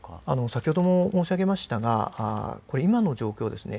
先ほども申し上げましたが今の状況ですね